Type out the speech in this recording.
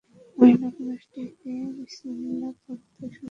মহিলা পুরুষটিকে বিসমিল্লাহ পড়তে শুনলেন।